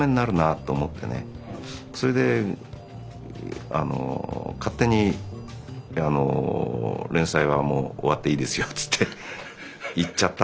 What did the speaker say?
それで勝手にあの「連載はもう終わっていいですよ」つって言っちゃったのかな。